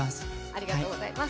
ありがとうございます。